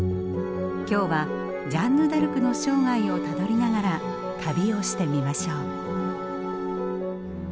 今日はジャンヌ・ダルクの生涯をたどりながら旅をしてみましょう。